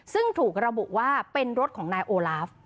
ซึ่งถูกระบุว่าเป็นรถของนายโอลาฟ